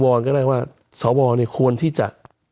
วอร์นก็ได้ว่าสอวรควรคุณที่จะ